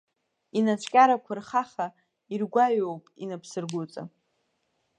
Инацәкьарақәа рхаха, иргәаҩоуп инапсыргәыҵа.